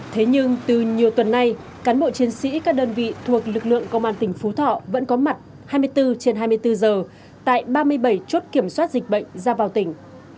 thế nhưng từ nhiều tuần nay cán bộ chiến sĩ các đơn vị thuộc lực lượng công an tỉnh phú thọ vẫn có mặt hai mươi bốn trên hai mươi bốn giờ tại ba mươi bảy chốt kiểm soát dịch bệnh ra vào tỉnh